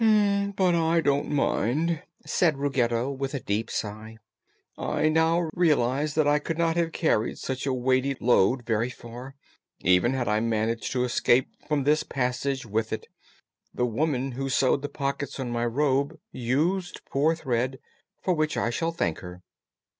"But I don't mind," said Ruggedo, with a deep sigh. "I now realize that I could not have carried such a weighty load very far, even had I managed to escape from this passage with it. The woman who sewed the pockets on my robe used poor thread, for which I shall thank her."